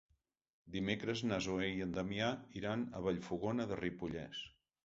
Dimecres na Zoè i en Damià iran a Vallfogona de Ripollès.